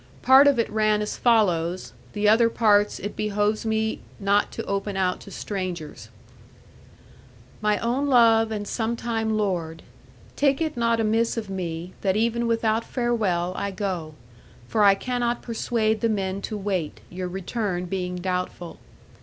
Part of it ran as follows, the other parts it behoves me not to open out to strangers: 'My own love, and sometime lord, Take it not amiss of me, that even without farewell, I go; for I cannot persuade the men to wait, your return being doubtful.